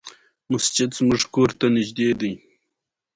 نقد کوونکي ناول د معنوي بیدارۍ شاهکار بولي.